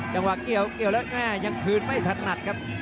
จังหวะเกี่ยวและแน่เฯกขืนไม่ถนนัดครับ